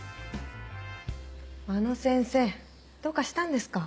真野先生どうかしたんですか？